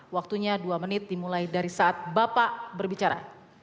waktunya dua menit dimulai dari saat bapak berbicara